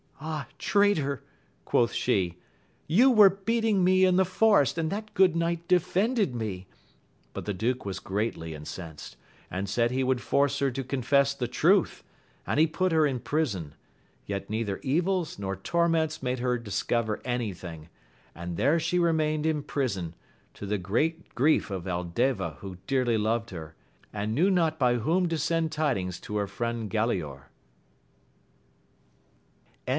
Ah, traitor ! quoth she, you were beating me in the forest, and that good 'knight defended me ! but the duke was greatly in censed, and said he would force her to confess the truth, and he put her in prison ; yet neither evils nor torments made her discover any thing, and there she remained in prison, to \Ji^ ^^^\. ^vet o^ Aldftva who AMADIS OF GAUL. 83 dearly loved her, and knew not by whom to send tidings to her friend Galaor. Chap.